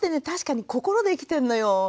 確かに心で生きてんのよ。